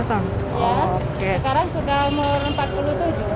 sekarang sudah umur empat puluh tujuh